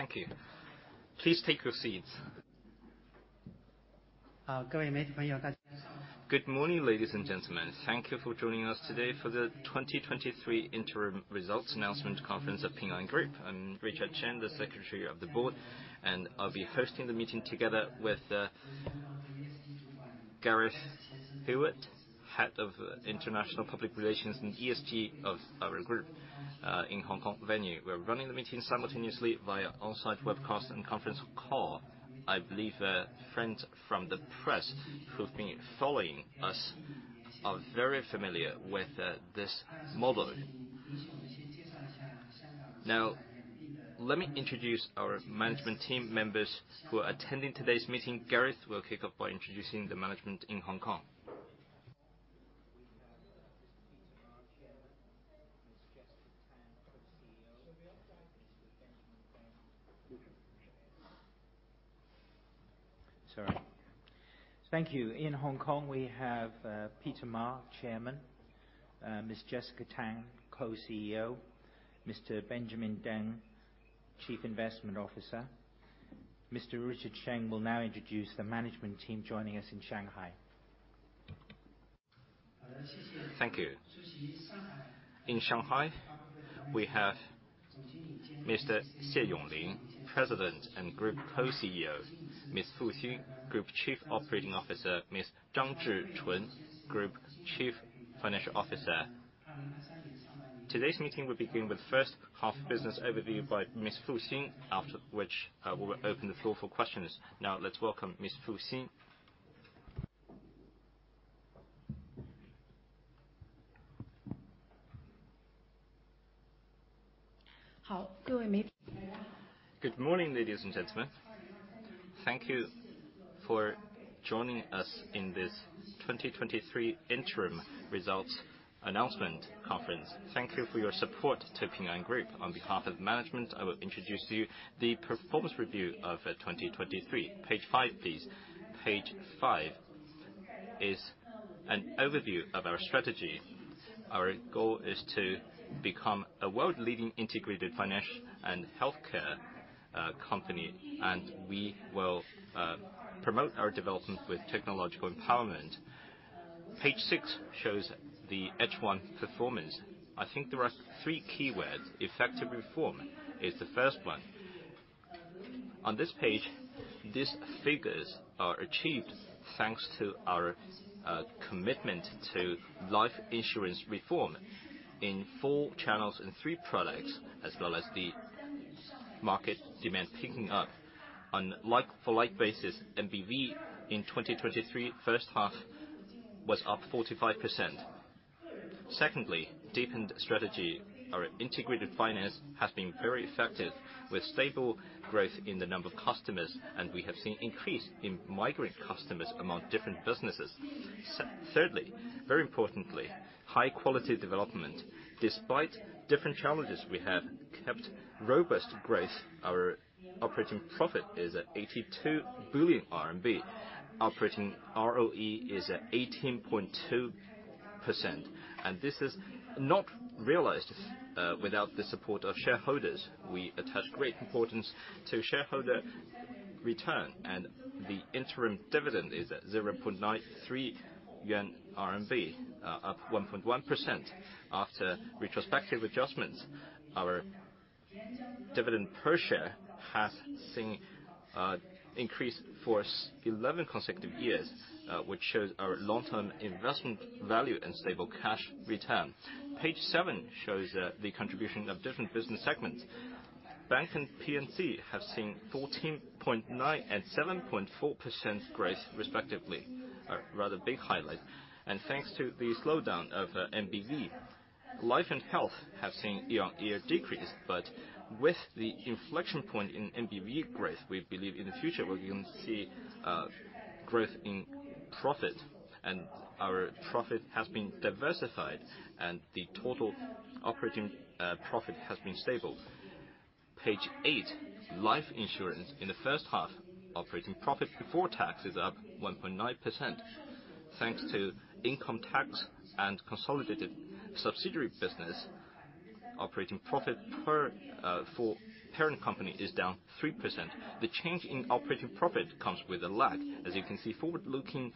Thank you. Please take your seats. Good morning, ladies and gentlemen. Thank you for joining us today for the 2023 interim results announcement conference at Ping An Group. I'm Richard Sheng, the Secretary of the Board, and I'll be hosting the meeting together with Gareth Hewett, Head of International Public Relations and ESG of our group in Hong Kong venue. We're running the meeting simultaneously via on-site webcast and conference call. I believe friends from the press who've been following us are very familiar with this model. Now, let me introduce our management team members who are attending today's meeting. Gareth will kick off by introducing the management in Hong Kong. Sorry. Thank you. In Hong Kong, we have Peter Ma, Chairman, Ms. Jessica Tan, Co-CEO, Mr. Benjamin Deng, Chief Investment Officer. Mr. Richard Sheng will now introduce the management team joining us in Shanghai. Thank you. In Shanghai, we have Mr. Xie Yonglin, President and Group Co-CEO, Ms. Fu Xin, Group Chief Operating Officer, Ms. Zhang Zhichun, Group Chief Financial Officer. Today's meeting will begin with first half business overview by Ms. Fu Xin, after which, we will open the floor for questions. Now, let's welcome Ms. Fu Xin. Good morning, ladies and gentlemen. Thank you for joining us in this 2023 interim results announcement conference. Thank you for your support to Ping An Group. On behalf of management, I will introduce to you the performance review of, 2023. Page five, please. Page five is an overview of our strategy. Our goal is to become a world-leading integrated finance and healthcare, company, and we will, promote our development with technological empowerment. Page six shows the H1 performance. I think there are three key words. Effective reform is the first one. On this page, these figures are achieved thanks to our commitment to life insurance reform in four channels and three products, as well as the market demand picking up. On like-for-like basis, NBV in 2023, first half, was up 45%. Secondly, deepened strategy. Our integrated finance has been very effective, with stable growth in the number of customers, and we have seen increase in migrant customers among different businesses. Thirdly, very importantly, high quality development. Despite different challenges, we have kept robust growth. Our operating profit is at 82 billion RMB. Operating ROE is at 18.2%, and this is not realized without the support of shareholders. We attach great importance to shareholder return, and the interim dividend is at 0.93 yuan, up 1.1%. After retrospective adjustments, our dividend per share has seen increase for 11 consecutive years, which shows our long-term investment value and stable cash return. Page seven shows the contribution of different business segments. Bank and P&C have seen 14.9% and 7.4% growth, respectively. A rather big highlight. Thanks to the slowdown of NBV, life and health have seen year-on-year decrease. But with the inflection point in NBV growth, we believe in the future we're going to see growth in profit, and our profit has been diversified, and the total operating profit has been stable. Page eight. Life insurance in the first half, operating profit before tax is up 1.9%. Thanks to income tax and consolidated subsidiary business, operating profit for parent company is down 3%. The change in operating profit comes with a lag. As you can see, forward-looking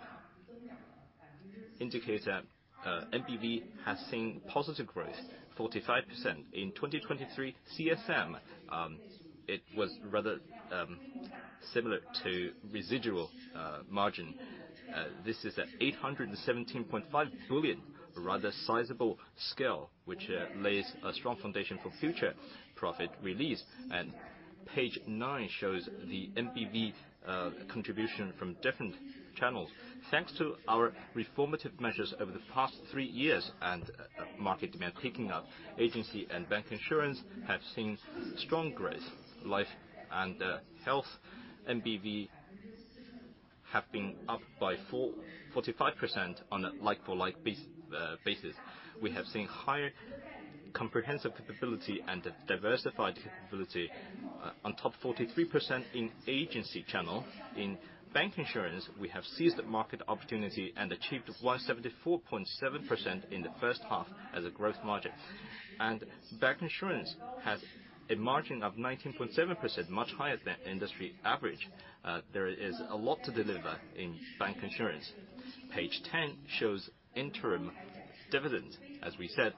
indicates that NBV has seen positive growth, 45%. In 2023, CSM it was rather similar to residual margin. This is at 817.5 billion, a rather sizable scale, which lays a strong foundation for future profit release. Page nine shows the NBV contribution from different channels. Thanks to our reformative measures over the past three years and market demand picking up, agency and bank insurance have seen strong growth. Life and health NBV have been up by 45% on a like-for-like basis. We have seen higher comprehensive capability and diversified capability on top 43% in agency channel. In bank insurance, we have seized the market opportunity and achieved 174.7% in the first half as a growth margin. Bank insurance has a margin of 19.7%, much higher than industry average. There is a lot to deliver in bank insurance. Page 10 shows interim dividends. As we said,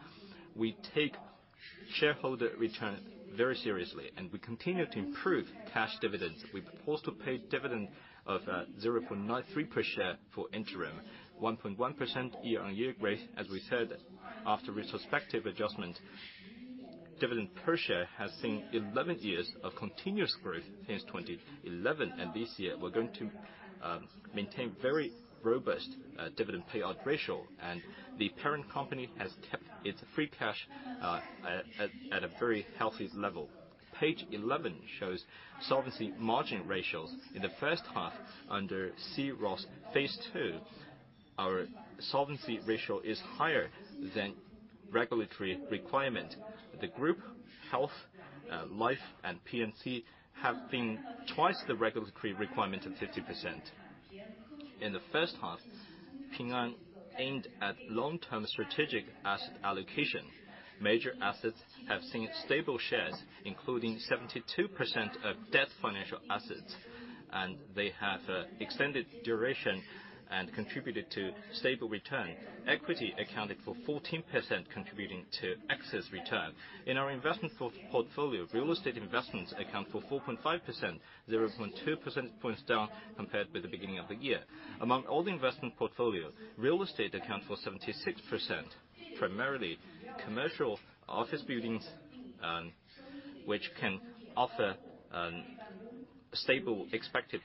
we take shareholder return very seriously, and we continue to improve cash dividends. We propose to pay dividend of 0.93 per share for interim, 1.1% year-on-year growth. As we said, after retrospective adjustment, dividend per share has seen 11 years of continuous growth since 2011, and this year, we're going to maintain very robust dividend payout ratio, and the parent company has kept its free cash at a very healthy level. Page 11 shows solvency margin ratios. In the first half, under C-ROSS phase II, our solvency ratio is higher than regulatory requirement. The group, health, life, and P&C have been twice the regulatory requirement of 50%. In the first half, Ping An aimed at long-term strategic asset allocation. Major assets have seen stable shares, including 72% of debt financial assets, and they have extended duration and contributed to stable return. Equity accounted for 14%, contributing to excess return. In our investment portfolio, real estate investments account for 4.5%, 0.2 percentage points down compared with the beginning of the year. Among all the investment portfolio, real estate accounts for 76%, primarily commercial office buildings, which can offer stable expected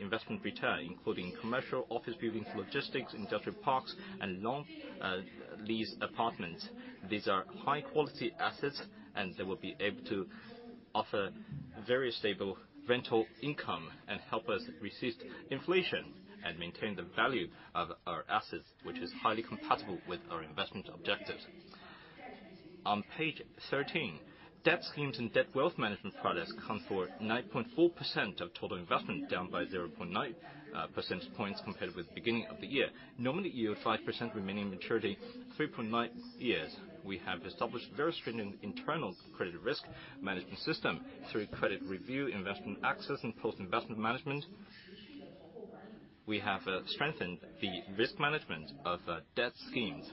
investment return, including commercial office buildings, logistics, industrial parks, and long lease apartments. These are high-quality assets, and they will be able to offer very stable rental income and help us resist inflation and maintain the value of our assets, which is highly compatible with our investment objectives. On page 13, debt schemes and debt wealth management products count for 9.4% of total investment, down by 0.9 percentage points compared with the beginning of the year. Nominal yield 5%, remaining maturity 3.9 years. We have established very stringent internal credit risk management system through credit review, investment access, and post-investment management. We have strengthened the risk management of debt schemes.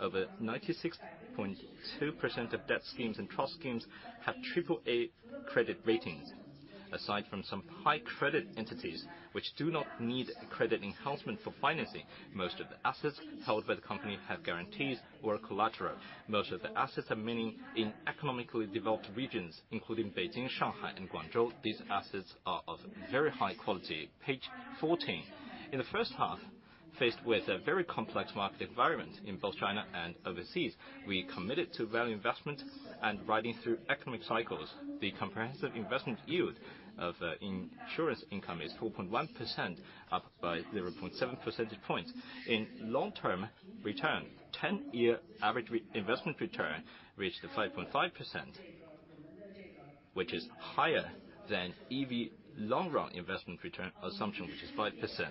Over 96.2% of debt schemes and trust schemes have AAA credit ratings. Aside from some high credit entities, which do not need credit enhancement for financing, most of the assets held by the company have guarantees or collateral. Most of the assets are mainly in economically developed regions, including Beijing, Shanghai, and Guangzhou. These assets are of very high quality. Page 14. In the first half, faced with a very complex market environment in both China and overseas, we committed to value investment and riding through economic cycles. The comprehensive investment yield of insurance income is 4.1%, up by 0.7 percentage points. In long-term return, 10-year average re-investment return reached 5.5%, which is higher than EV long-run investment return assumption, which is 5%.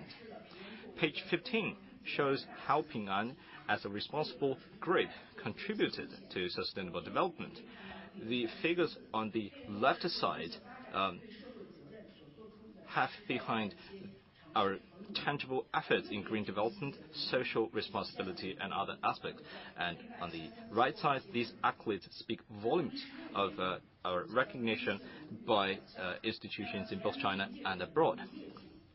Page 15 shows how Ping An, as a responsible group, contributed to sustainable development. The figures on the left side have behind our tangible efforts in green development, social responsibility, and other aspects. On the right side, these accolades speak volumes of our recognition by institutions in both China and abroad.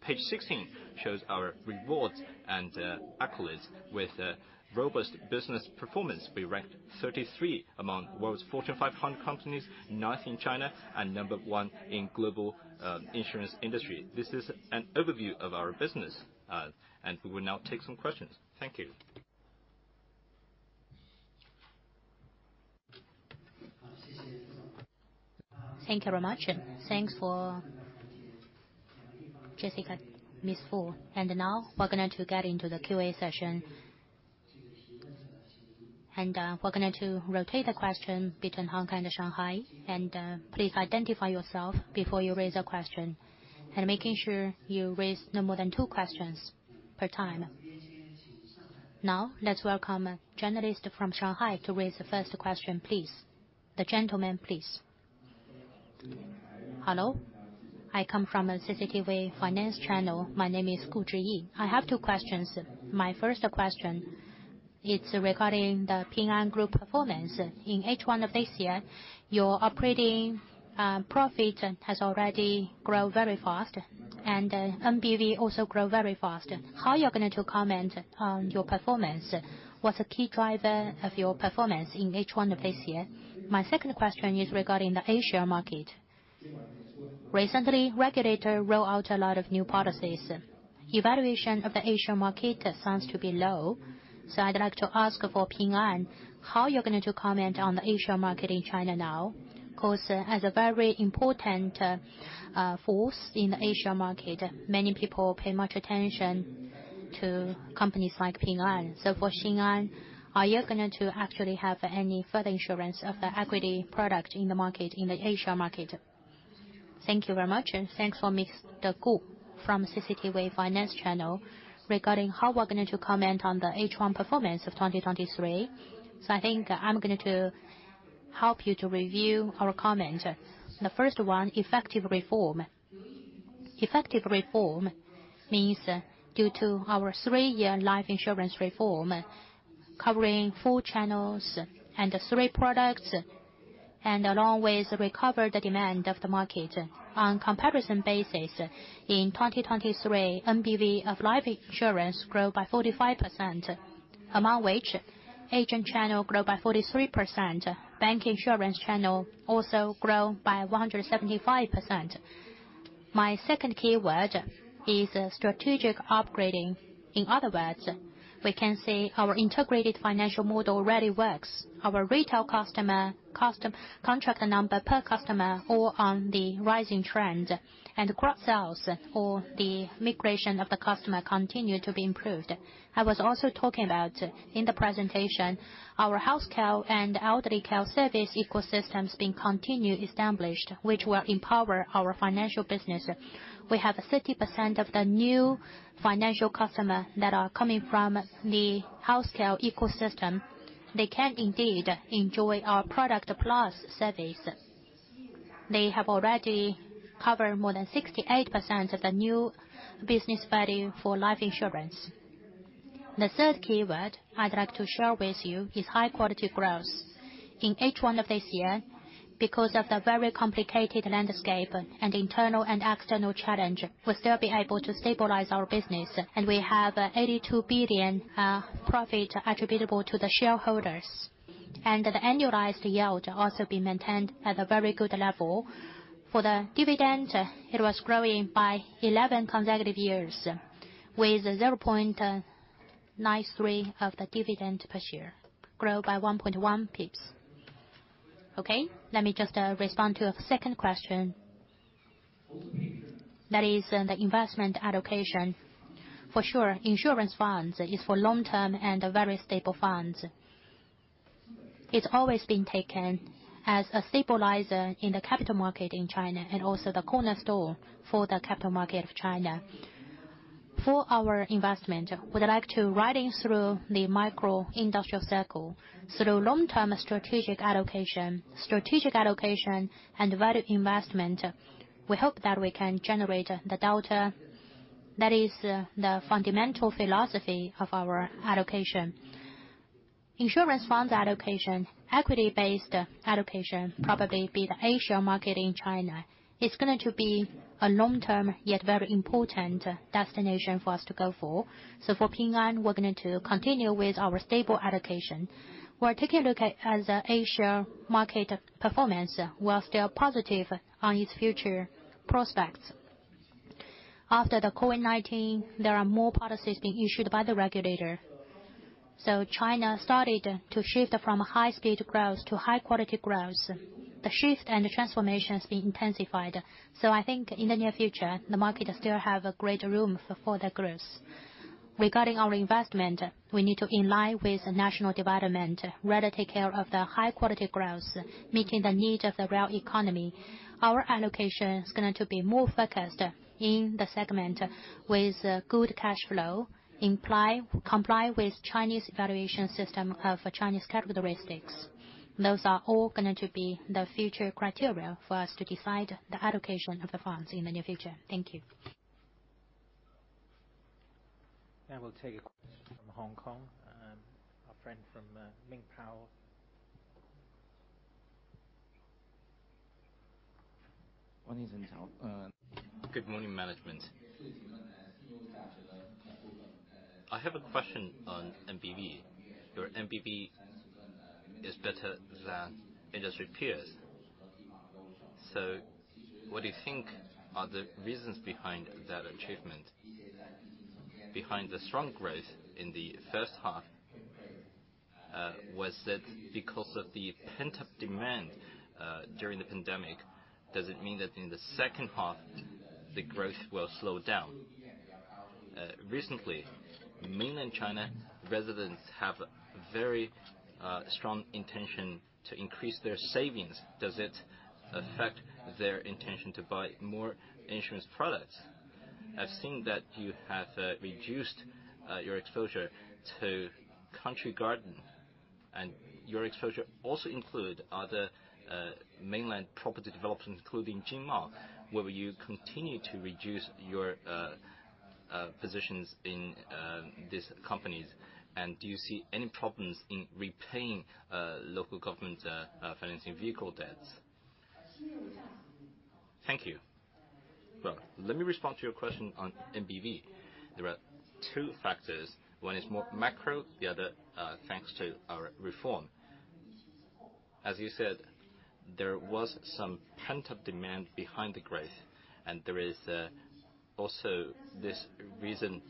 Page 16 shows our rewards and accolades. With a robust business performance, we ranked 33 among world's Fortune 500 companies, ninth in China, and number one in global insurance industry. This is an overview of our business, and we will now take some questions. Thank you. Thank you very much, and thanks for Miss Fu. And now we're going to get into the QA session. And, we're going to rotate the question between Hong Kong and Shanghai. And, please identify yourself before you raise a question, and making sure you raise no more than two questions per time. Now, let's welcome a journalist from Shanghai to raise the first question, please. The gentleman, please. Hello, I come from a CCTV Finance Channel. My name is Gu Ji Yi. I have two questions. My first question, it's regarding the Ping An Group performance. In H1 of this year, your operating, profit has already grown very fast, and, NBV also grow very fast. How are you going to comment on your performance? What's the key driver of your performance in H1 of this year? My second question is regarding the Asia market. Recently, regulator roll out a lot of new policies. Evaluation of the A-share market seems to be low. So I'd like to ask for Ping An, how you're going to comment on the A-share market in China now? 'Cause as a very important force in the A-share market, many people pay much attention to companies like Ping An. So for Ping An, are you going to actually have any further insurance of the equity product in the market, in the A-share market? Thank you very much, and thanks for Ms. Gu from CCTV Finance Channel. Regarding how we're going to comment on the H1 performance of 2023. So I think I'm going to help you to review our comment. The first one, effective reform. Effective reform means due to our three-year life insurance reform, covering four channels and three products, and along with recover the demand of the market. On comparison basis, in 2023, NBV of life insurance grew by 45%, among which, agent channel grew by 43%. Bank insurance channel also grew by 175%. My second key word is strategic upgrading. In other words, we can say our integrated financial model really works. Our retail customer, custom-contract number per customer all on the rising trend, and cross sales or the migration of the customer continue to be improved. I was also talking about, in the presentation, our health care and elderly care service ecosystems being continued, established, which will empower our financial business. We have 30% of the new financial customer that are coming from the healthcare ecosystem. They can indeed enjoy our product plus service. They have already covered more than 68% of the new business value for life insurance. The third keyword I'd like to share with you is high-quality growth. In H1 of this year, because of the very complicated landscape and internal and external challenge, we'll still be able to stabilize our business, and we have 82 billion profit attributable to the shareholders. The annualized yield also be maintained at a very good level. For the dividend, it was growing by 11 consecutive years, with 0.93 of the dividend per share, grow by 1.1 pips. Okay, let me just respond to a second question. That is in the investment allocation. For sure, insurance funds is for long-term and very stable funds. It's always been taken as a stabilizer in the capital market in China, and also the cornerstone for the capital market of China. For our investment, we'd like to riding through the micro-industrial cycle through long-term strategic allocation, strategic allocation and value investment. We hope that we can generate the delta. That is the, the fundamental philosophy of our allocation. Insurance funds allocation, equity-based allocation, probably be the A-share market in China. It's going to be a long-term, yet very important destination for us to go for. So for Ping An, we're going to continue with our stable allocation. We're taking a look at as the A-share market performance, we're still positive on its future prospects. After the COVID-19, there are more policies being issued by the regulator. So China started to shift from high-speed growth to high-quality growth. The shift and the transformation has been intensified. So I think in the near future, the market will still have a great room for the growth. Regarding our investment, we need to in line with the national development, rather take care of the high-quality growth, meeting the needs of the real economy. Our allocation is going to be more focused in the segment with good cash flow, comply with Chinese evaluation system of Chinese characteristics. Those are all going to be the future criteria for us to decide the allocation of the funds in the near future. Thank you. Now we'll take a question from Hong Kong, our friend from Ming Pao. Good morning, management. I have a question on NBV. Your NBV is better than industry peers. So what do you think are the reasons behind that achievement, behind the strong growth in the first half? Was it because of the pent-up demand during the pandemic? Does it mean that in the second half, the growth will slow down? Recently, mainland China residents have a very strong intention to increase their savings. Does it affect their intention to buy more insurance products? I've seen that you have reduced your exposure to Country Garden, and your exposure also include other mainland property developments, including Jinmao. Will you continue to reduce your positions in these companies? And do you see any problems in repaying local government financing vehicle debts? Thank you. Well, let me respond to your question on NBV. There are two factors. One is more macro, the other, thanks to our reform. As you said, there was some pent-up demand behind the growth, and there is also this recent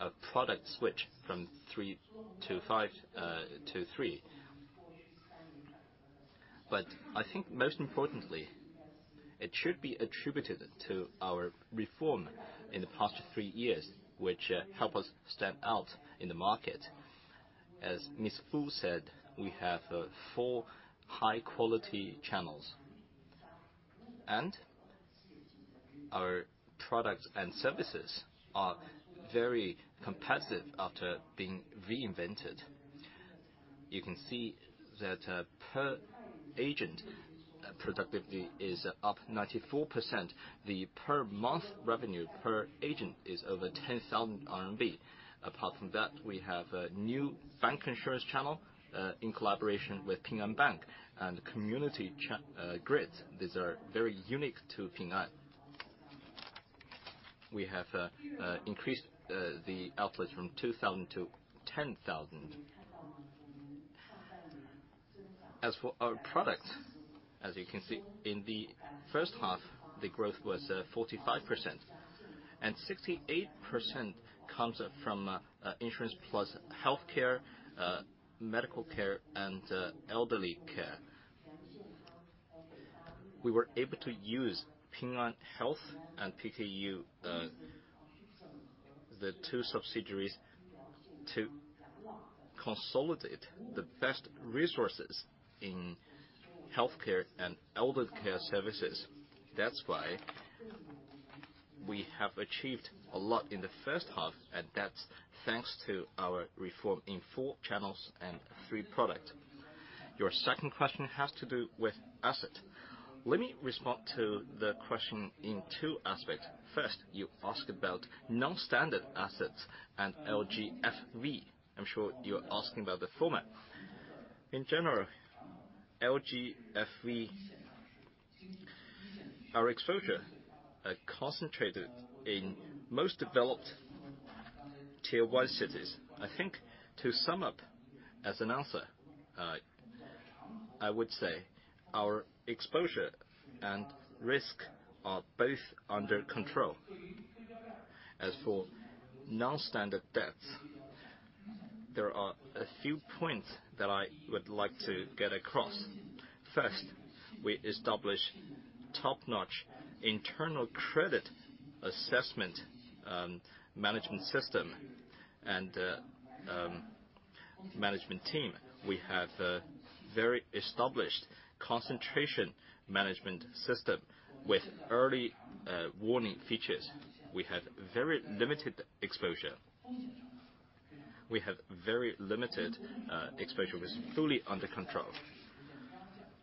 a product switch from three to five to three. But I think most importantly, it should be attributed to our reform in the past three years, which help us stand out in the market. As Miss Fu said, we have four high quality channels, and our products and services are very competitive after being reinvented. You can see that per agent productivity is up 94%. The per month revenue per agent is over 10,000 RMB. Apart from that, we have a new bank insurance channel in collaboration with Ping An Bank and community grid. These are very unique to Ping An. We have increased the output from 2,000 to 10,000. As for our products, as you can see, in the first half, the growth was 45%, and 68% comes from insurance plus healthcare, medical care, and elderly care. We were able to use Ping An Health and PKU, the two subsidiaries, to consolidate the best resources in healthcare and eldercare services. That's why we have achieved a lot in the first half, and that's thanks to our reform in four channels and three product. Your second question has to do with asset. Let me respond to the question in two aspects. First, you ask about non-standard assets and LGFV. I'm sure you're asking about the format. In general, LGFV, our exposure are concentrated in most developed tier one cities. I think to sum up as an answer, I would say our exposure and risk are both under control. As for non-standard debts, there are a few points that I would like to get across. First, we establish top-notch internal credit assessment management system and management team. We have a very established concentration management system with early warning features. We have very limited exposure. We have very limited exposure, it's fully under control.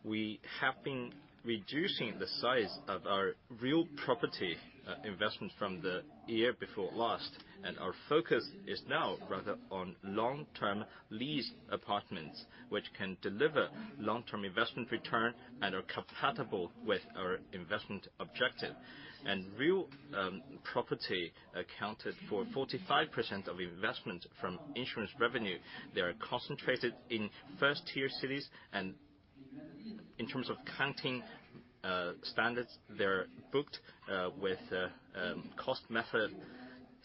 We have been reducing the size of our real property investments from the year before last, and our focus is now rather on long-term lease apartments, which can deliver long-term investment return and are compatible with our investment objective. Real property accounted for 45% of investment from insurance revenue. They are concentrated in first-tier cities, and in terms of accounting standards, they're booked with cost method.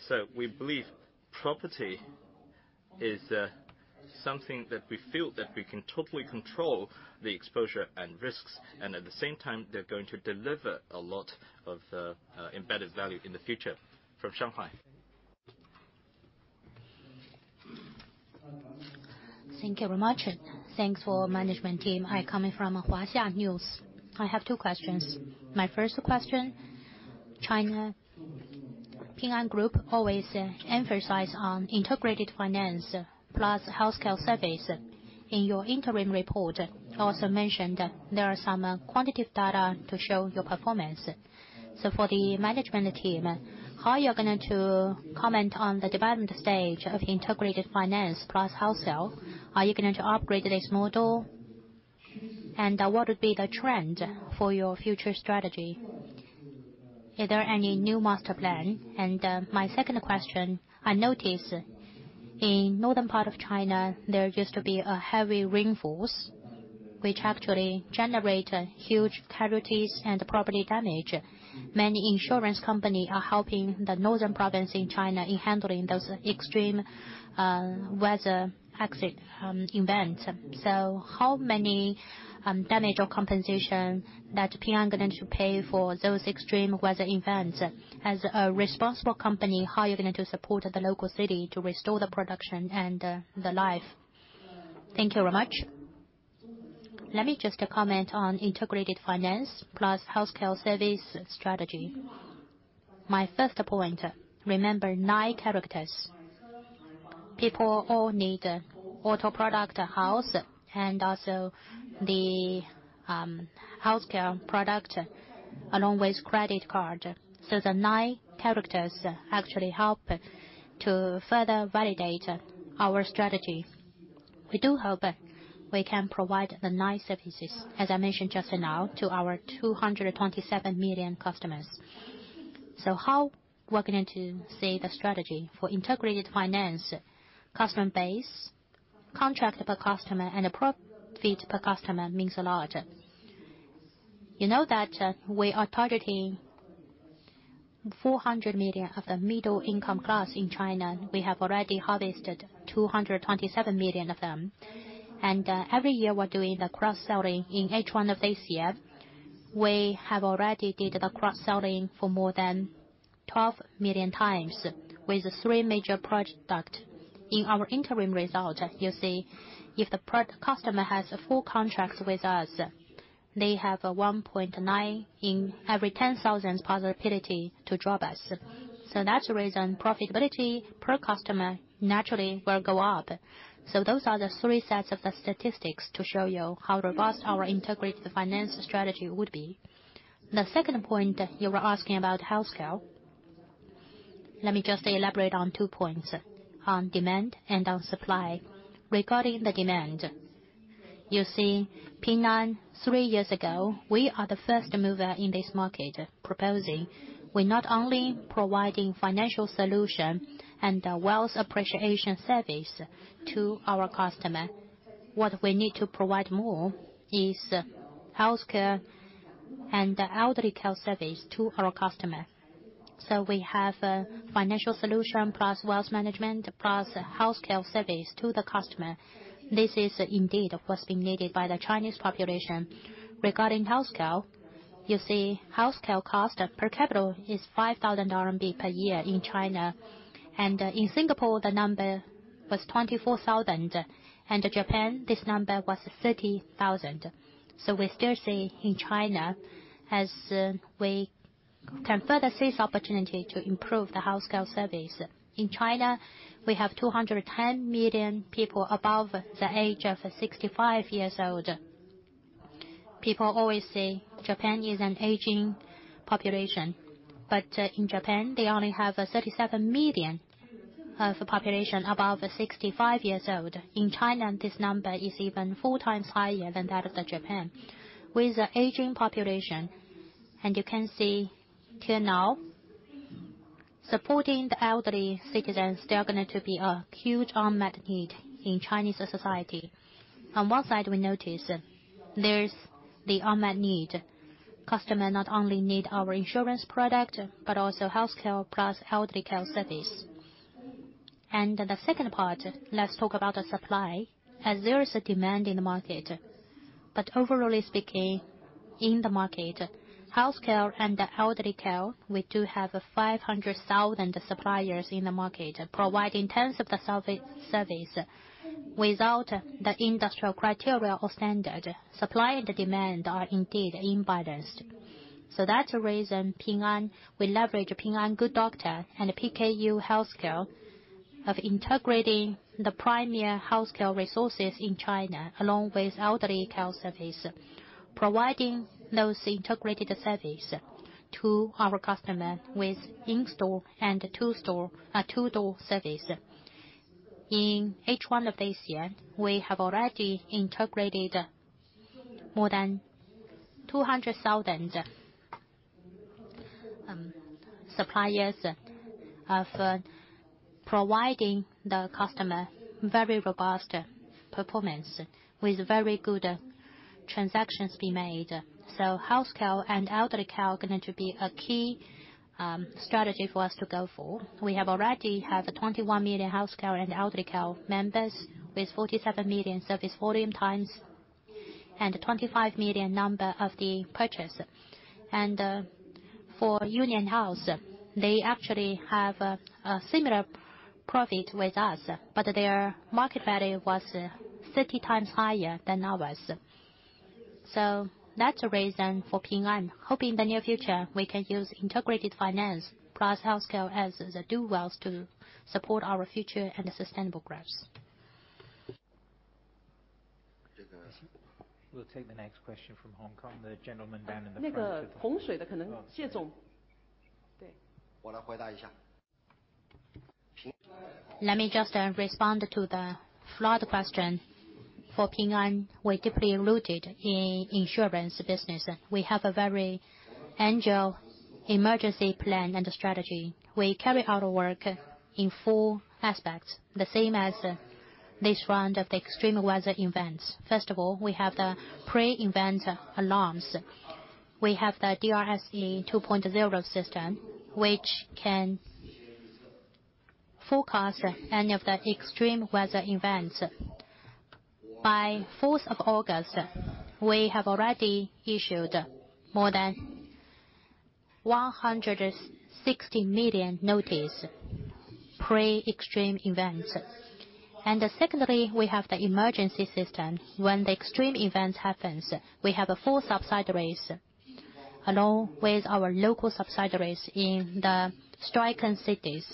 So we believe property is something that we feel that we can totally control the exposure and risks, and at the same time, they're going to deliver a lot of embedded value in the future. From Shanghai. Thank you very much, and thanks for management team. I coming from Huaxia News. I have two questions. My first question, China Ping An Group always emphasize on integrated finance plus healthcare services. In your interim report, you also mentioned there are some quantitative data to show your performance. So for the management team, how are you going to comment on the development stage of integrated finance plus healthcare? Are you going to upgrade this model? And what would be the trend for your future strategy? Is there any new master plan? And, my second question, I noticed in northern part of China, there used to be a heavy rainfalls, which actually generate huge casualties and property damage. Many insurance company are helping the northern province in China in handling those extreme weather accident events. So how many damage or compensation that Ping An going to pay for those extreme weather events? As a responsible company, how are you going to support the local city to restore the production and the life? Thank you very much. Let me just comment on integrated finance plus healthcare service strategy. My first point, remember nine characters. People all need auto product, a house, and also the healthcare product, along with credit card. So the nine characters actually help to further validate our strategy. We do hope we can provide the nine services, as I mentioned just now, to our 227 million customers. So how we're going to see the strategy for integrated finance, customer base, contract per customer, and a profit per customer means a lot. You know that, we are targeting 400 million of the middle income class in China. We have already harvested 227 million of them. Every year, we're doing the cross-selling. In H1 of this year, we have already did the cross-selling for more than 12 million times with three major product. In our interim result, you see, if the customer has a full contract with us, they have a 1.9 in every 10,000 possibility to drop us. That's the reason profitability per customer naturally will go up. Those are the three sets of the statistics to show you how robust our integrated finance strategy would be. The second point, you were asking about healthcare. Let me just elaborate on two points, on demand and on supply. Regarding the demand, you see, Ping An, three years ago, we are the first mover in this market proposing. We're not only providing financial solution and a wealth appreciation service to our customer, what we need to provide more is healthcare and elderly care service to our customer. So we have a financial solution, plus wealth management, plus healthcare service to the customer. This is indeed what's being needed by the Chinese population. Regarding healthcare, you see, healthcare cost per capita is 5,000 RMB per year in China. And, in Singapore, the number was 24,000, and in Japan, this number was 30,000. So we still see in China as, we can further seize opportunity to improve the healthcare service. In China, we have 210 million people above the age of 65 years old. People always say Japan is an aging population, but in Japan, they only have 37 million of the population above 65 years old. In China, this number is even 4x higher than that of the Japan. With the aging population, and you can see till now, supporting the elderly citizens is still going to be a huge unmet need in Chinese society. On one side, we notice there's the unmet need. Customer not only need our insurance product, but also healthcare plus elderly care service. And the second part, let's talk about the supply, as there is a demand in the market. But overall speaking, in the market, healthcare and elderly care, we do have 500,000 suppliers in the market, providing tens of the service, service without the industrial criteria or standard. Supply and demand are indeed imbalanced. So that's the reason Ping An, we leverage Ping An Good Doctor and PKU Healthcare of integrating the premier healthcare resources in China, along with elderly care service, providing those integrated service to our customer with in-store and to-store, to-door service. In H1 of this year, we have already integrated more than 200,000 suppliers of providing the customer very robust performance with very good transactions being made. So healthcare and elderly care are going to be a key strategy for us to go for. We have already have 21 million healthcare and elderly care members with 47 million service volume times and 25 million number of the purchase. And, for UnitedHealth, they actually have a similar profit with us, but their market value was 30 times higher than ours. So that's the reason for Ping An. Hoping the near future, we can use integrated finance plus healthcare as the due wells to support our future and sustainable growth. We'll take the next question from Hong Kong, the gentleman down in the front. Let me just respond to the flood question. For Ping An, we're deeply rooted in insurance business. We have a very agile emergency plan and strategy. We carry out our work in four aspects, the same as this round of the extreme weather events. First of all, we have the pre-event alarms. We have the DRS 2.0 system, which can forecast any of the extreme weather events. By fourth of August, we have already issued more than 160 million notice, pre-extreme events. And secondly, we have the emergency system. When the extreme event happens, we have a full subsidiaries, along with our local subsidiaries in the stricken cities,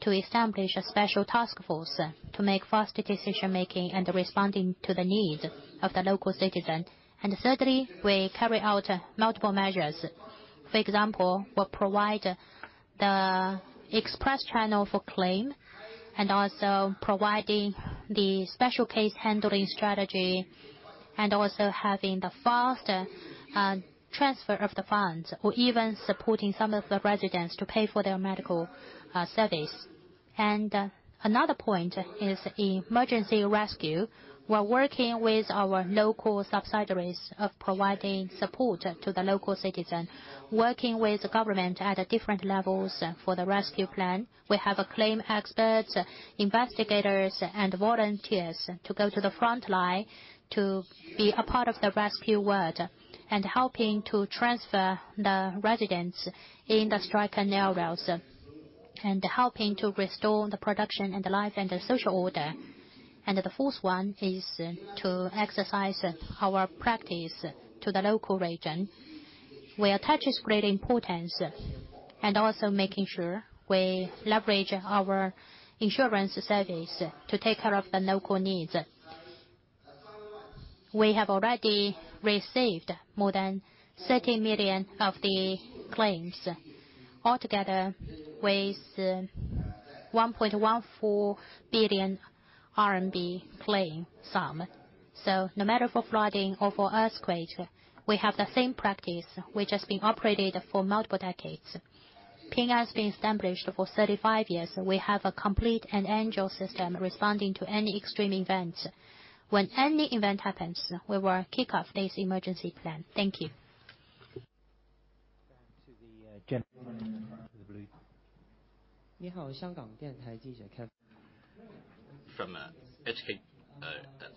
to establish a special task force to make faster decision-making and responding to the need of the local citizen. And thirdly, we carry out multiple measures. For example, we provide the express channel for claims, and also providing the special case handling strategy, and also having the faster transfer of the funds, or even supporting some of the residents to pay for their medical service. Another point is emergency rescue. We're working with our local subsidiaries in providing support to the local citizens, working with the government at different levels for the rescue plan. We have claims experts, investigators, and volunteers to go to the front line to be a part of the rescue work, and helping to transfer the residents in the stricken areas, and helping to restore the production, and the life, and the social order. The fourth one is to exercise our practice to the local region, where we attach great importance, and also making sure we leverage our insurance service to take care of the local needs. We have already received more than 30 million of the claims, all together with 1.14 billion RMB claim sum. So no matter for flooding or for earthquake, we have the same practice, which has been operated for multiple decades. Ping An has been established for 35 years. We have a complete and agile system responding to any extreme event. When any event happens, we will kick off this emergency plan. Thank you. Back to the gentleman in the blue. From HK,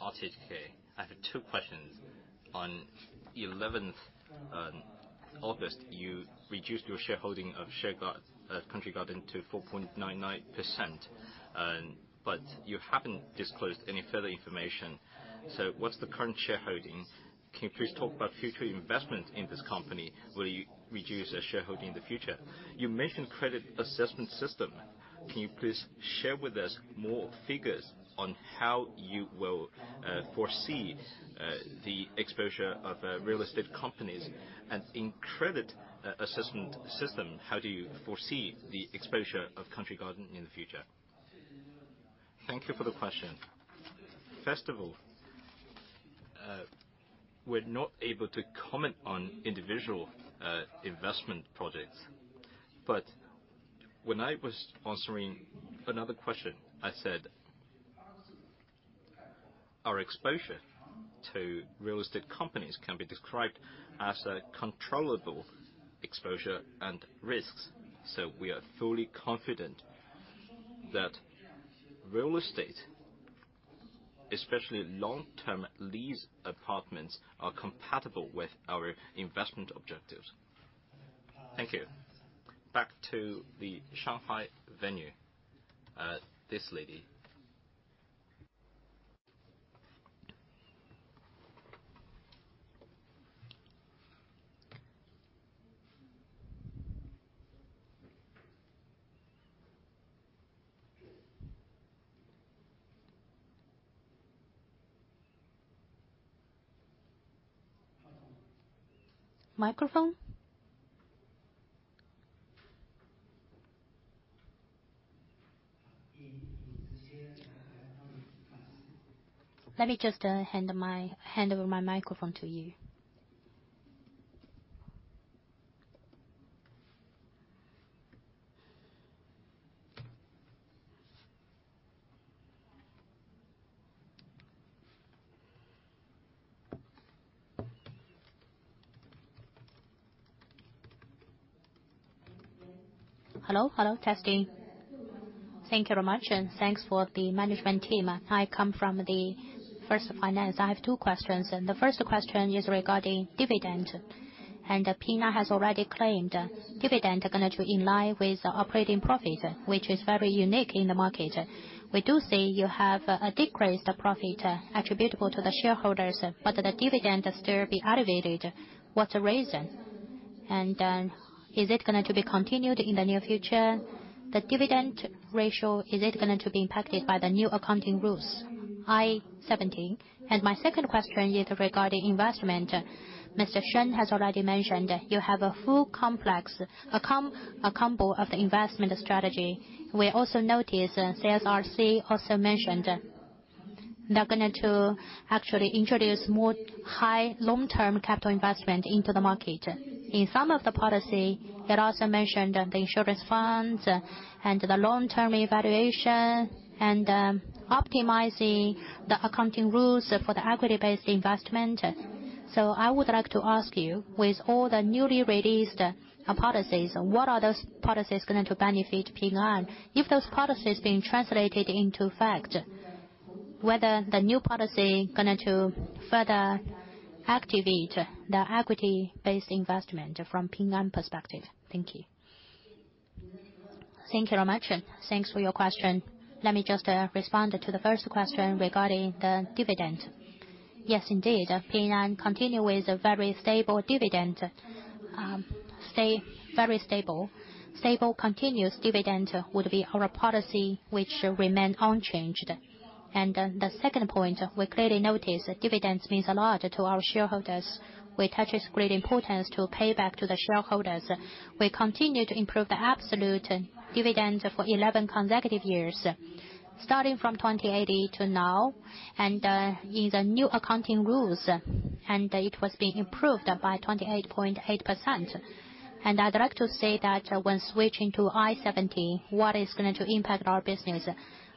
RTHK. I have two questions. On 11th August, you reduced your shareholding of Country Garden to 4.99%. But you haven't disclosed any further information. So what's the current shareholding? Can you please talk about future investment in this company? Will you reduce your shareholding in the future? You mentioned credit assessment system. Can you please share with us more figures on how you will foresee the exposure of real estate companies? And in credit assessment system, how do you foresee the exposure of Country Garden in the future? Thank you for the question. First of all, we're not able to comment on individual investment projects. But when I was answering another question, I said, our exposure to real estate companies can be described as a controllable exposure and risks. So we are fully confident that real estate, especially long-term lease apartments, are compatible with our investment objectives. Thank you. Back to the Shanghai venue. This lady. Microphone? Let me just hand over my microphone to you. Hello, hello, testing. Thank you very much, and thanks for the management team. I come from the First Finance. I have two questions, and the first question is regarding dividend. Ping An has already claimed dividend are going to in line with the operating profits, which is very unique in the market. We do see you have a decreased profit attributable to the shareholders, but the dividend is still be elevated. What's the reason? Is it going to be continued in the near future? The dividend ratio, is it going to be impacted by the new accounting rules, I-17? My second question is regarding investment. Mr. Shen has already mentioned you have a full complex, a combo of the investment strategy. We also noticed, and CSRC also mentioned, they're going to actually introduce more high long-term capital investment into the market. In some of the policy, it also mentioned the insurance funds and the long-term evaluation, and optimizing the accounting rules for the equity-based investment. So I would like to ask you, with all the newly released policies, what are those policies going to benefit Ping An? If those policies being translated into effect, whether the new policy going to further activate the equity-based investment from Ping An perspective? Thank you. Thank you very much, and thanks for your question. Let me just respond to the first question regarding the dividend. Yes, indeed, Ping An continue with a very stable dividend. Stay very stable. Stable, continuous dividend would be our policy, which remain unchanged. And the second point, we clearly notice that dividends means a lot to our shareholders. We attach great importance to pay back to the shareholders. We continue to improve the absolute dividend for 11 consecutive years. Starting from 2018 to now, and in the new accounting rules, and it was being improved by 28.8%. And I'd like to say that when switching to IFRS 17, what is going to impact our business?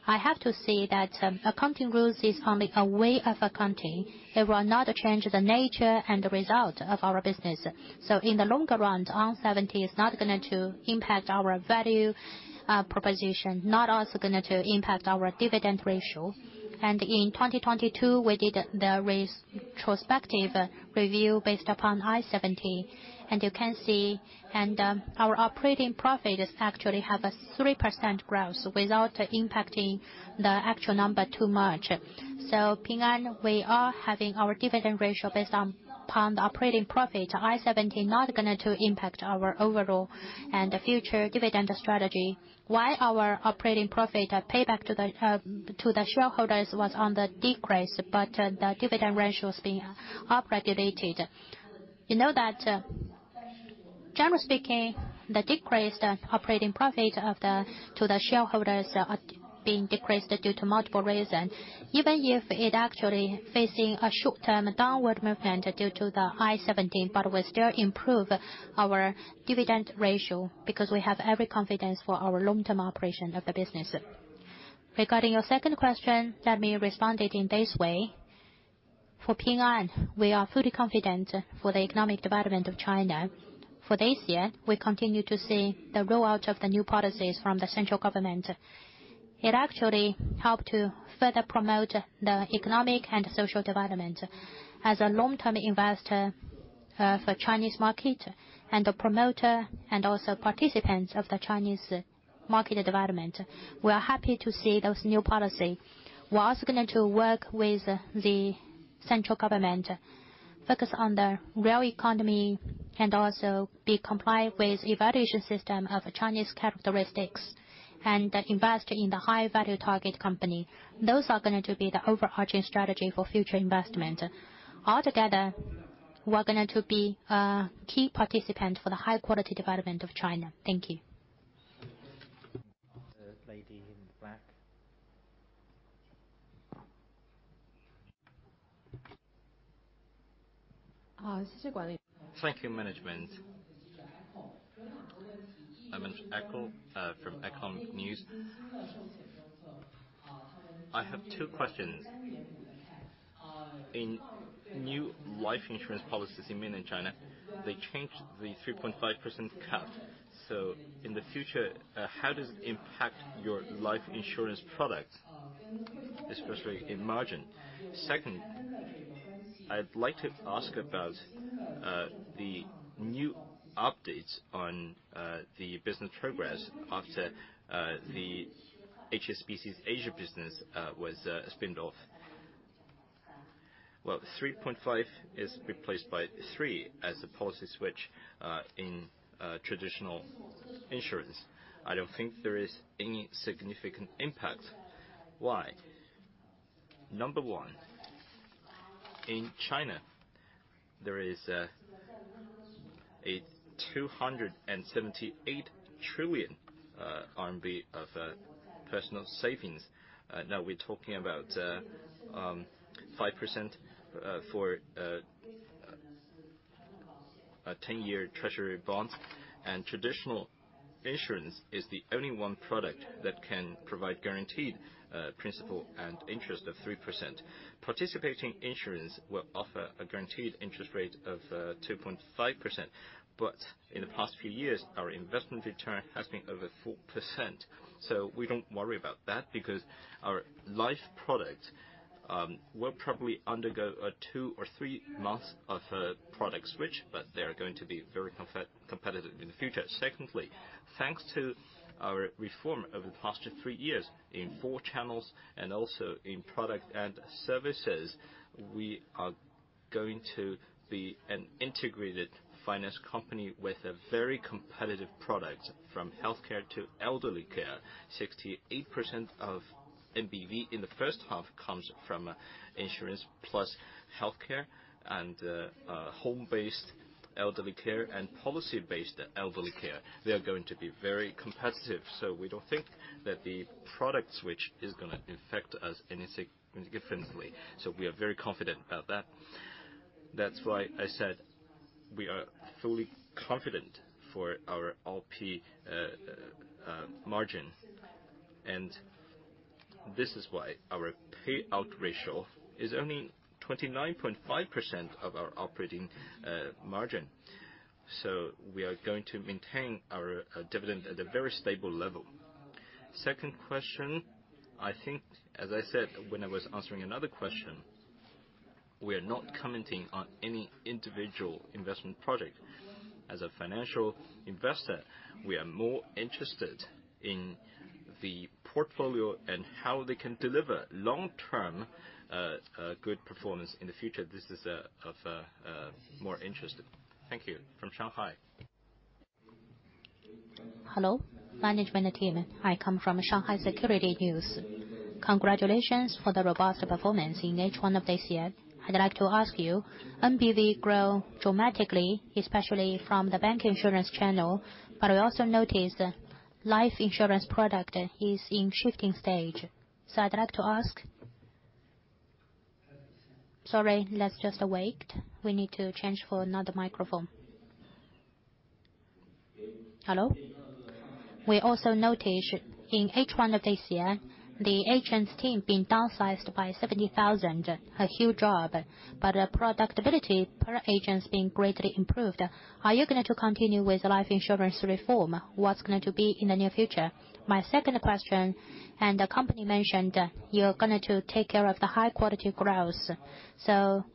I have to say that, accounting rules is only a way of accounting. It will not change the nature and the result of our business. So in the longer run, IFRS 17 is not going to impact our value, proposition, not also going to impact our dividend ratio. In 2022, we did the retrospective review based upon IFRS 17, and you can see, our operating profit is actually have a 3% growth without impacting the actual number too much. So Ping An, we are having our dividend ratio based on, upon the operating profit. IFRS 17 not going to impact our overall and the future dividend strategy. Why our operating profit, payback to the shareholders was on the decrease, but, the dividend ratio is being up-rated. You know that, generally speaking, the decreased operating profit of the, to the shareholders are being decreased due to multiple reasons. Even if it actually facing a short-term downward movement due to IFRS 17, but we still improve our dividend ratio because we have every confidence for our long-term operation of the business. Regarding your second question, let me respond it in this way: For Ping An, we are fully confident for the economic development of China. For this year, we continue to see the rollout of the new policies from the central government. It actually helped to further promote the economic and social development. As a long-term investor for Chinese market and a promoter and also participants of the Chinese market development, we are happy to see those new policy. We are also going to work with the central government, focus on the real economy, and also be compliant with evaluation system of Chinese characteristics, and invest in the high-value target company. Those are going to be the overarching strategy for future investment. Altogether, we are going to be a key participant for the high-quality development of China. Thank you. The lady in the black. Thank you, management. I'm an Echo from Echo News. I have two questions. In new life insurance policies in mainland China, they changed the 3.5% cap. So in the future, how does it impact your life insurance product, especially in margin? Second, I'd like to ask about the new updates on the business progress after the HSBC's Asia business was spun off. Well, 3.5 is replaced by three as a policy switch in traditional insurance. I don't think there is any significant impact. Why? Number one, in China, there is a 278 trillion RMB of personal savings. Now we're talking about 5% for a 10-year treasury bond, and traditional insurance is the only one product that can provide guaranteed principal and interest of 3%. Participating insurance will offer a guaranteed interest rate of 2.5%. But in the past few years, our investment return has been over 4%. So we don't worry about that because our life product will probably undergo two or three months of a product switch, but they are going to be very competitive in the future. Secondly, thanks to our reform over the past three years in four channels and also in product and services, we are going to be an integrated finance company with a very competitive product, from healthcare to elderly care. 68% of NBV in the first half comes from insurance plus healthcare and home-based elderly care and policy-based elderly care. They are going to be very competitive, so we don't think that the product switch is gonna affect us any significantly. So we are very confident about that. That's why I said we are fully confident for our OP margin, and this is why our payout ratio is only 29.5% of our operating margin. So we are going to maintain our dividend at a very stable level. Second question, I think, as I said, when I was answering another question, we are not commenting on any individual investment project. As a financial investor, we are more interested in the portfolio and how they can deliver long-term good performance in the future. This is of more interest. Thank you, from Shanghai. Hello, management team. I come from Shanghai Securities News. Congratulations for the robust performance in H1 of this year. I'd like to ask you, NBV grow dramatically, especially from the bank insurance channel, but I also noticed life insurance product is in shifting stage. So I'd like to ask. Sorry, let's just wait. We need to change for another microphone. Hello? We also noticed in H1 of this year, the agents team being downsized by 70,000, a huge job, but the productivity per agent is being greatly improved. Are you going to continue with life insurance reform? What's going to be in the near future? My second question, and the company mentioned, you're going to take care of the high-quality growth. So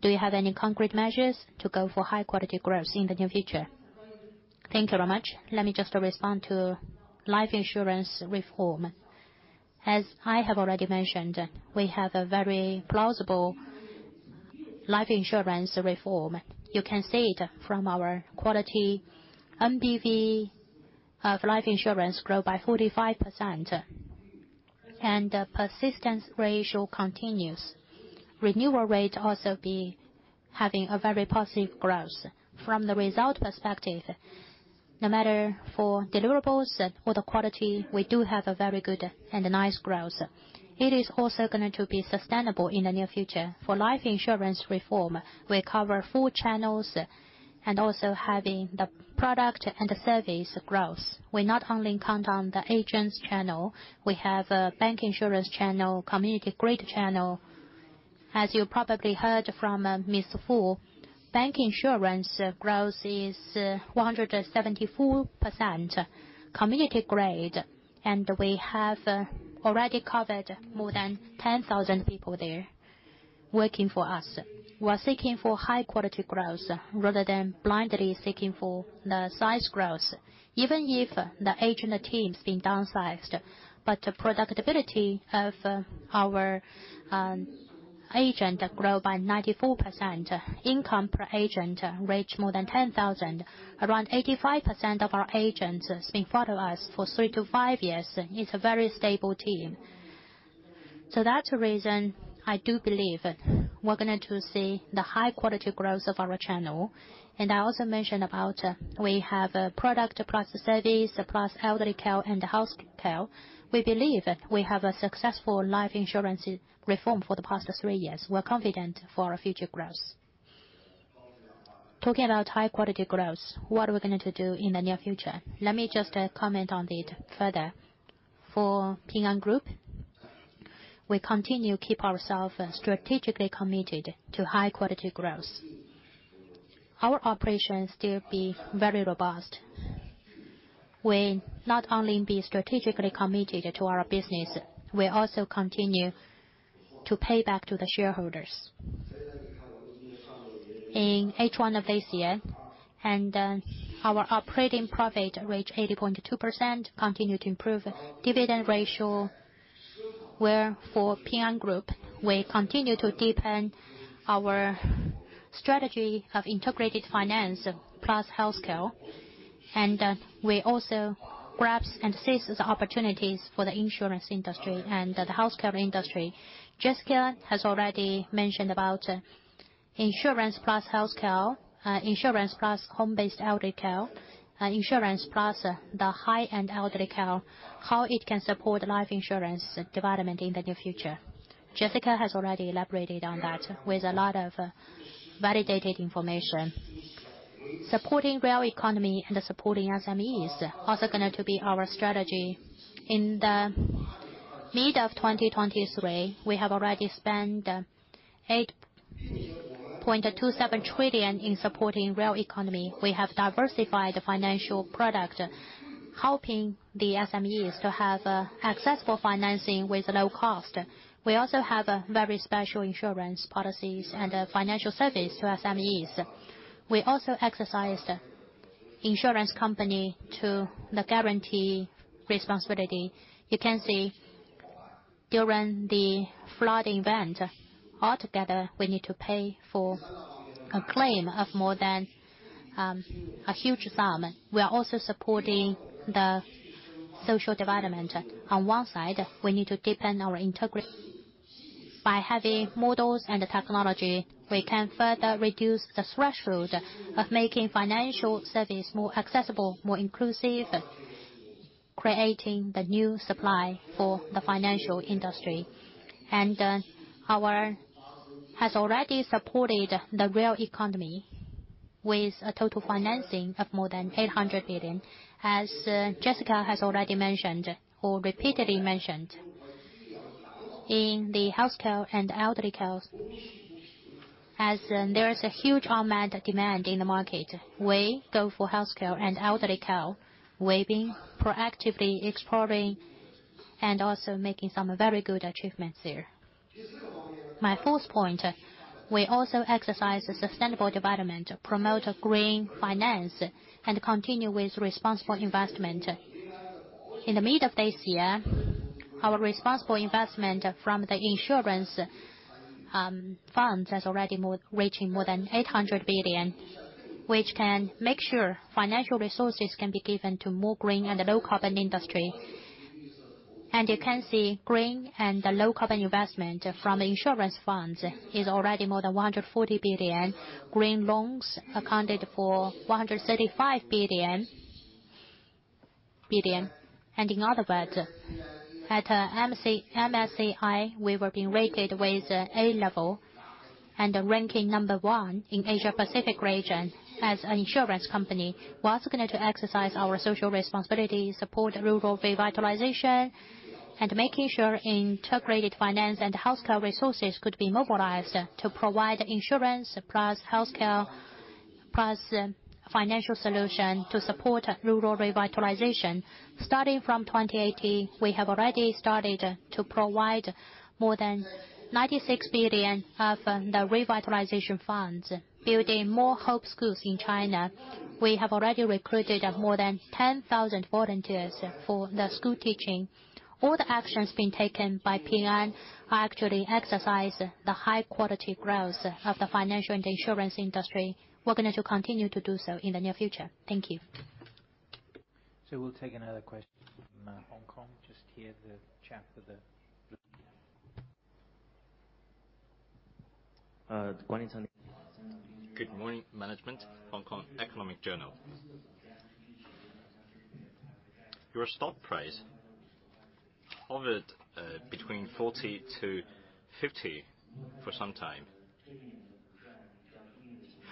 do you have any concrete measures to go for high-quality growth in the near future? Thank you very much. Let me just respond to life insurance reform. As I have already mentioned, we have a very plausible life insurance reform. You can see it from our quality, NBV of life insurance grow by 45%, and the persistence ratio continues. Renewal rate also be having a very positive growth. From the result perspective, no matter for deliverables or the quality, we do have a very good and a nice growth. It is also going to be sustainable in the near future. For life insurance reform, we cover four channels and also having the product and the service growth. We not only count on the agents channel, we have a bank insurance channel, community grid channel. As you probably heard from Ms. Fu, bank insurance growth is 174% community grid, and we have already covered more than 10,000 people there working for us. We are seeking for high-quality growth rather than blindly seeking for the size growth, even if the agent team has been downsized. But the productivity of our agent grow by 94%. Income per agent reach more than 10,000. Around 85% of our agents has been part of us for three to five years, it's a very stable team. So that's the reason I do believe we're going to see the high-quality growth of our channel. And I also mentioned about we have a product plus service, plus elderly care and healthcare. We believe we have a successful life insurance reform for the past three years. We're confident for our future growth. Talking about high-quality growth, what are we going to do in the near future? Let me just comment on it further. For Ping An Group, we continue to keep ourselves strategically committed to high-quality growth. Our operations still be very robust. We not only be strategically committed to our business, we also continue to pay back to the shareholders. In H1 of this year, our operating profit reached 80.2%, continued to improve. Dividend ratio where for Ping An Group, we continue to deepen our strategy of integrated finance plus healthcare. We also grabs and seizes the opportunities for the insurance industry and the healthcare industry. Jessica has already mentioned about insurance plus healthcare, insurance plus home-based elderly care, and insurance plus the high-end elderly care, how it can support life insurance development in the near future. Jessica has already elaborated on that with a lot of validated information. Supporting real economy and supporting SMEs also going to be our strategy. In the midst of 2023, we have already spent 8.27 trillion in supporting the real economy. We have diversified the financial product, helping the SMEs to have accessible financing with low cost. We also have a very special insurance policies and a financial service to SMEs. We also exercised insurance company to the guarantee responsibility. You can see during the flood event, altogether, we need to pay for a claim of more than a huge sum. We are also supporting the social development. On one side, we need to deepen our integrity. By having models and technology, we can further reduce the threshold of making financial service more accessible, more inclusive, creating the new supply for the financial industry. Our has already supported the real economy with a total financing of more than 800 billion. As Jessica has already mentioned or repeatedly mentioned, in the healthcare and elderly care, as there is a huge unmet demand in the market, we go for healthcare and elderly care. We've been proactively exploring and also making some very good achievements there. My fourth point, we also exercise sustainable development, promote green finance, and continue with responsible investment. In the mid of this year, our responsible investment from the insurance funds has already reached more than 800 billion, which can make sure financial resources can be given to more green and low carbon industry. And you can see green and the low carbon investment from insurance funds is already more than 140 billion. Green loans accounted for 135 billion. In other words, at MSCI, we were being rated with A level and ranking number one in Asia Pacific region as an insurance company. We are also going to exercise our social responsibility, support rural revitalization, and making sure integrated finance and healthcare resources could be mobilized to provide insurance, plus healthcare, plus financial solution to support rural revitalization. Starting from 2018, we have already started to provide more than 96 billion of the revitalization funds, building more hope schools in China. We have already recruited more than 10,000 volunteers for the school teaching. All the actions being taken by Ping An are actually exercise the high quality growth of the financial and insurance industry. We're going to continue to do so in the near future. Thank you. So we'll take another question from Hong Kong. Just here, the chat for good morning. Good morning, management. Hong Kong Economic Journal. Your stock price hovered between 40-50 for some time.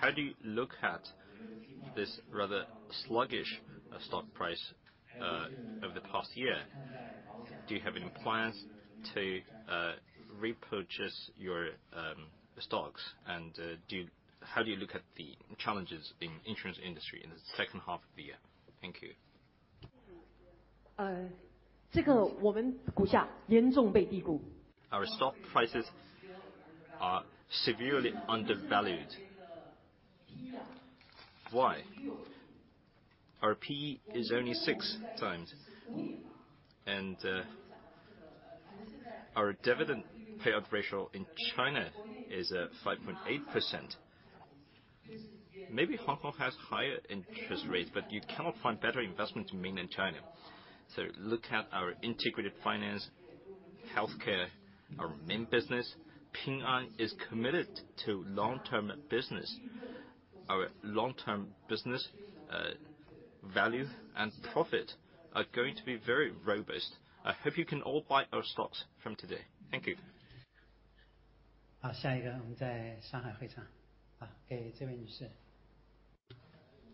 How do you look at this rather sluggish stock price over the past year? Do you have any plans to repurchase your stocks? And, how do you look at the challenges in insurance industry in the second half of the year? Thank you. Our stock prices are severely undervalued. Why? Our P is only 6x, and, our dividend payout ratio in China is at 5.8%. Maybe Hong Kong has higher interest rates, but you cannot find better investment in mainland China. So look at our integrated finance, healthcare, our main business. Ping An is committed to long-term business. Our long-term business, value, and profit are going to be very robust. I hope you can all buy our stocks from today. Thank you.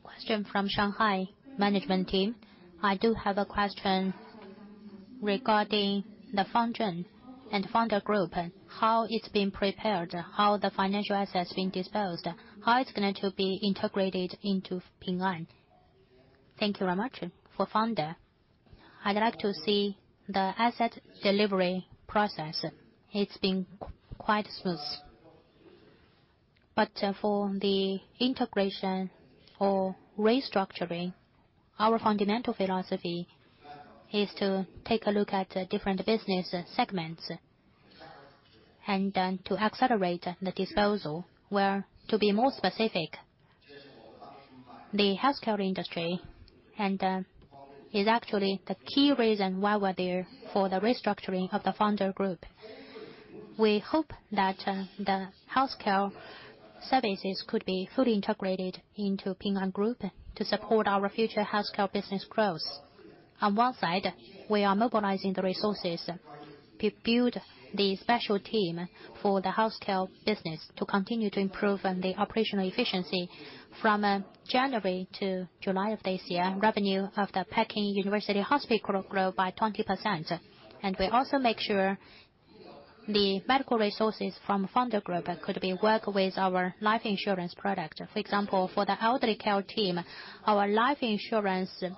Question from Shanghai management team. I do have a question regarding the Founder and Founder Group, how it's being prepared, how the financial assets being disposed, how it's going to be integrated into Ping An. Thank you very much. For Founder, I'd like to see the asset delivery process. It's been quite smooth. But, for the integration or restructuring, our fundamental philosophy is to take a look at the different business segments, and then to accelerate the disposal, where, to be more specific, the healthcare industry and is actually the key reason why we're there for the restructuring of the Founder Group. We hope that the healthcare services could be fully integrated into Ping An Group to support our future healthcare business growth. On one side, we are mobilizing the resources to build the special team for the healthcare business to continue to improve on the operational efficiency. From January to July of this year, revenue of the Peking University Hospital grew by 20%. We also make sure the medical resources from Founder Group could be work with our life insurance product. For example, for the elderly care team, our life insurance team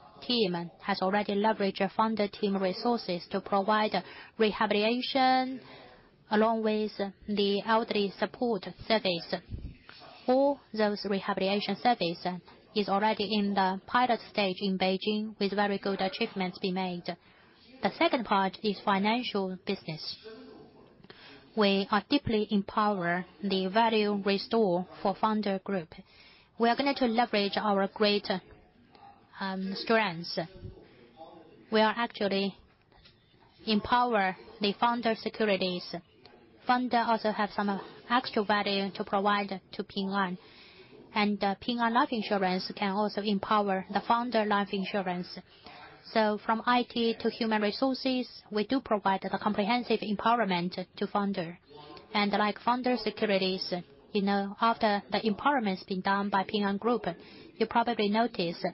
has already leveraged Founder team resources to provide rehabilitation, along with the elderly support service. All those rehabilitation service is already in the pilot stage in Beijing, with very good achievements being made. The second part is financial business. We are deeply empower the value restore for Founder Group. We are going to leverage our great strengths. We are actually empower the Founder Securities. Founder also have some extra value to provide to Ping An. And, Ping An Life Insurance can also empower the Founder Life Insurance. So from IT to human resources, we do provide the comprehensive empowerment to Founder. And like Founder Securities, you know, after the empowerment's been done by Ping An Group, you probably noticed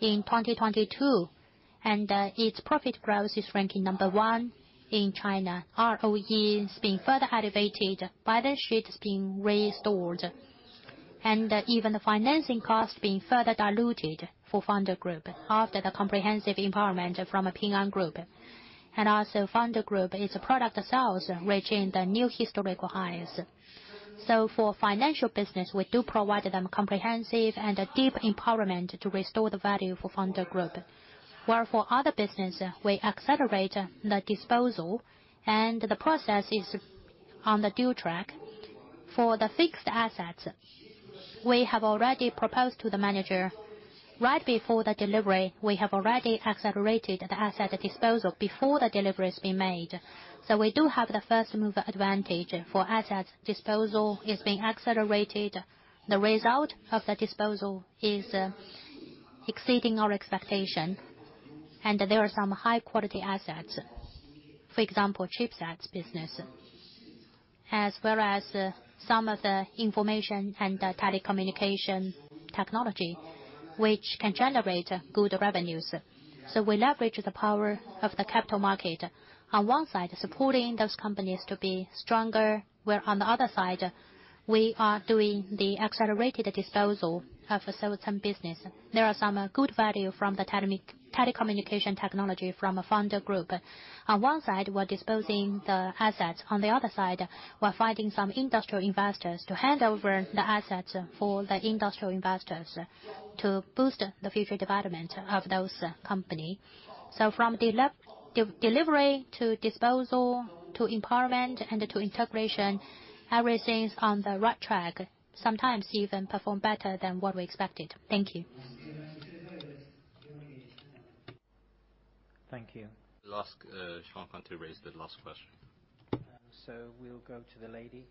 in 2022, and, its profit growth is ranking number one in China. ROE is being further elevated, balance sheet is being restored, and even the financing cost being further diluted for Founder Group after the comprehensive empowerment from Ping An Group. And also, Founder Group, its product sales reaching the new historical highs. So for financial business, we do provide them comprehensive and a deep empowerment to restore the value for Founder Group. Where for other business, we accelerate the disposal, and the process is on the due track. For the fixed assets, we have already proposed to the manager. Right before the delivery, we have already accelerated the asset disposal before the delivery has been made. So we do have the first mover advantage for assets. Disposal is being accelerated. The result of the disposal is exceeding our expectation. And there are some high-quality assets. For example, chipsets business, as well as some of the information and telecommunication technology, which can generate good revenues. So we leverage the power of the capital market. On one side, supporting those companies to be stronger, where on the other side, we are doing the accelerated disposal of certain business. There are some good value from the telecommunication technology from a Founder Group. On one side, we're disposing the assets. On the other side, we're finding some industrial investors to hand over the assets for the industrial investors to boost the future development of those company. From delivery to disposal, to empowerment and to integration, everything's on the right track, sometimes even perform better than what we expected. Thank you. Thank you. Last, Sean going to raise the last question. So we'll go to the lady.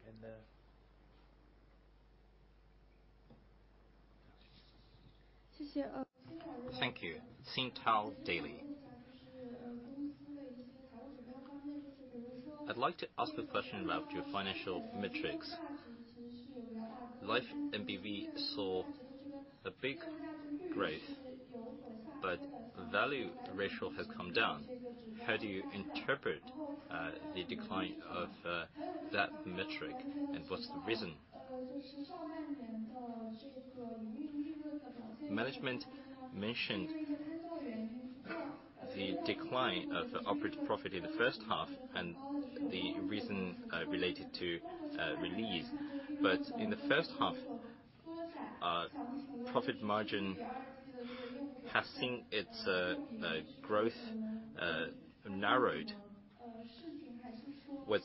Thank you. Sing Tao Daily. I'd like to ask a question about your financial metrics. Life NBV saw a big growth, but value ratio has come down. How do you interpret the decline of that metric, and what's the reason? Management mentioned the decline of the operating profit in the first half, and the reason related to release. But in the first half, profit margin has seen its growth narrowed. Was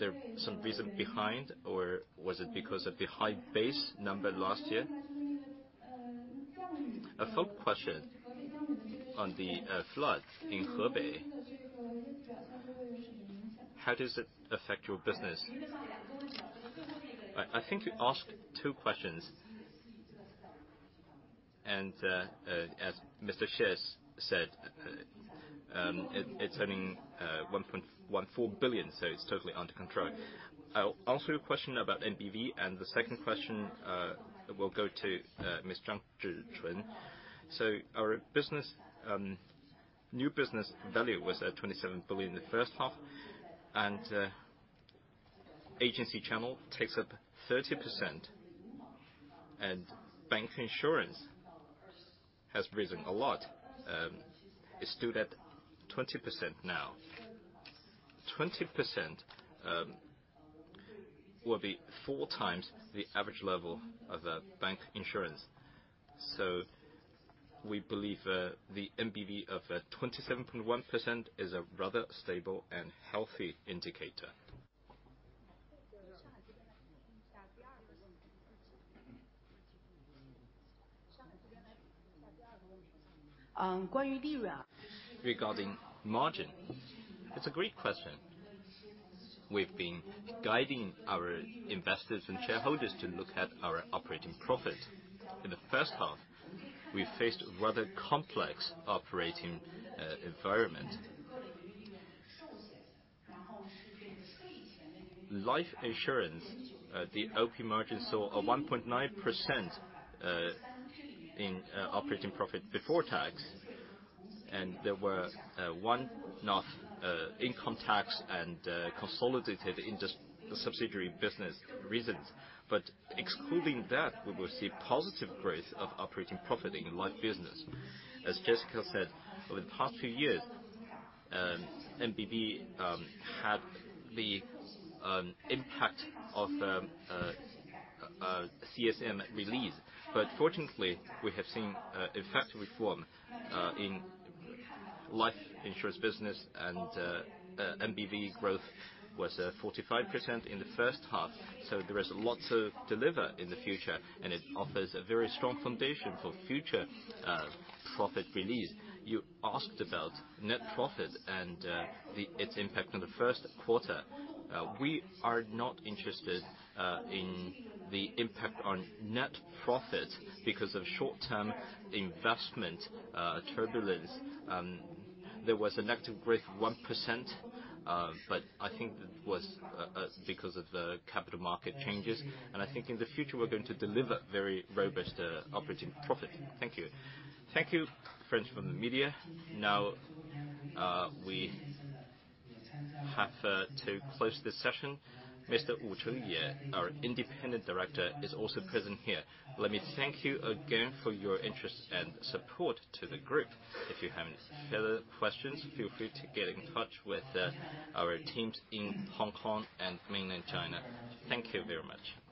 there some reason behind, or was it because of the high base number last year? A follow-up question on the floods in Hebei. How does it affect your business? I think you asked two questions. And, as Mr. Xie said, it's earning 1.14 billion, so it's totally under control. I'll answer your question about NBV, and the second question will go to Ms. Zhang Zhichun. So our business new business value was at 27 billion in the first half, and agency channel takes up 30%, and bank insurance has risen a lot, it stood at 20% now. 20% will be four times the average level of the bank insurance. So we believe the NBV of 27.1% is a rather stable and healthy indicator. Regarding margin, it's a great question. We've been guiding our investors and shareholders to look at our operating profit. In the first half, we faced a rather complex operating environment. Life insurance, the OP margin saw a 1.9% in operating profit before tax, and there were one-off non-income tax and consolidated in the subsidiary business reasons. But excluding that, we will see positive growth of operating profit in life business. As Jessica said, over the past few years, NBV had the impact of the CSM release. But fortunately, we have seen effective reform in life insurance business, and NBV growth was 45% in the first half. So there is lots to deliver in the future, and it offers a very strong foundation for future profit release. You asked about net profit and its impact on the first quarter. We are not interested in the impact on net profit, because of short-term investment turbulence. There was a negative growth 1%, but I think that was because of the capital market changes. I think in the future, we're going to deliver very robust operating profit. Thank you. Thank you, friends from the media. Now, we have to close this session. Mr. Wu Chengye, our independent director, is also present here. Let me thank you again for your interest and support to the group. If you have any further questions, feel free to get in touch with our teams in Hong Kong and mainland China. Thank you very much.